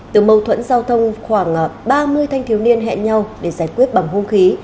từ mâu thuẫn giao thông khoảng ba mươi thanh thiếu niên hẹn nhau để giải quyết bằng hung khí